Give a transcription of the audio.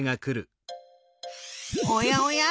おやおや？